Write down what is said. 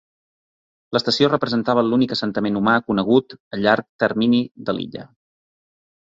L'estació representava l'únic assentament humà conegut a llarg termini de l 'illa.